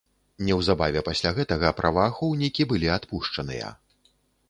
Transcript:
Неўзабаве пасля гэтага праваахоўнікі былі адпушчаныя.